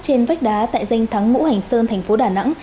tại danh thắng ngũ hành sơn thành phố đà nẵng